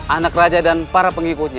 anak raja dan para pengikutnya